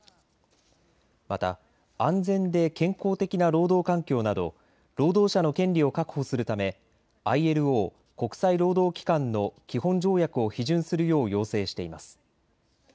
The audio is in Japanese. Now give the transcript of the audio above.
また安全で健康的な労働環境など労働者の権利を確保するためＩＬＯ・国際労働機関の基本条約を批准するよう要請しています。